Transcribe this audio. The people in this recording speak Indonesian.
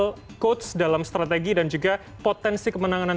sebenarnya ada yang lebih besar andil coach dalam strategi dan juga potensi kemenanganan